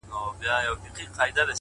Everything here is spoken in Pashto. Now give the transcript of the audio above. هره ورځ د نوې انرژۍ سرچینه ده!